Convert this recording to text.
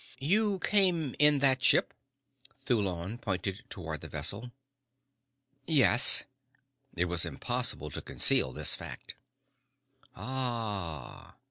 "You came in that ship?" Thulon pointed toward the vessel. "Yes." It was impossible to conceal this fact. "Ah."